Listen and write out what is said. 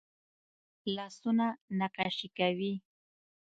لاسونه نقاشي کوي